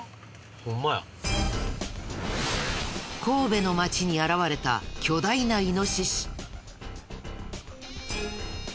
神戸の街に現れた巨大なイノシシ。